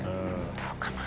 どうかな？